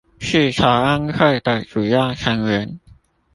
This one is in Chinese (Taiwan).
是籌安會的主要成員